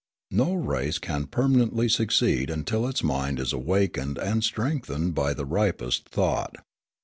No race can permanently succeed until its mind is awakened and strengthened by the ripest thought.